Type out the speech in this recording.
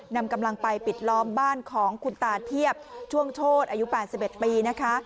นำกำลังไปปิดล้อมบ้านของคุณตาเทียบช่วงโชธอายุ๘๑ปีนะคะ